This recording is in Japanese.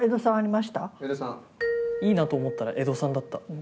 いいなと思ったら江戸さんだった。